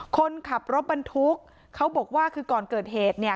คนขับรถบรรทุกเขาบอกว่าคือก่อนเกิดเหตุเนี่ย